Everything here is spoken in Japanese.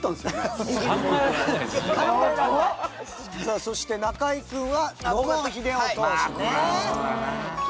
さあそして中居君は野茂英雄投手ね。